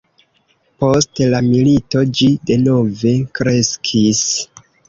Post la milito ĝi denove kreskis.